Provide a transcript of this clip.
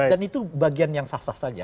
dan itu bagian yang sah sah saja